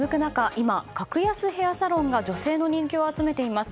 今、格安ヘアサロンが女性の人気を集めています。